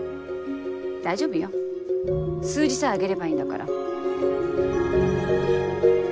大丈夫よ数字さえ上げればいいんだから。